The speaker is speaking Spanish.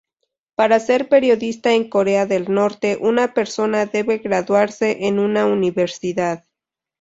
Para ser periodista en Corea del Norte, una persona debe graduarse en una universidad.